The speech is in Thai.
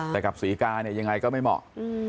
แต่กับศรีกาเนี่ยยังไงก็ไม่เหมาะ